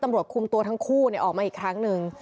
ตำรวจคุมตัวทั้งคู่ออกมาอีกครั้งหนึ่ง